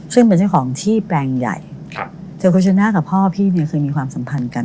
ซึ่งเป็นเจ้าของที่แปลงใหญ่เจอคุณชนะกับพ่อพี่เนี่ยเคยมีความสัมพันธ์กัน